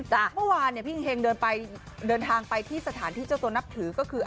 เมื่อวานเนี่ยพี่อิงเฮงเดินทางไปที่สถานที่เจ้าตัวนับถือก็คือ